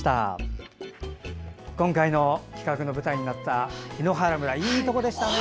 今回の企画の舞台になった檜原村、いいところでしたね。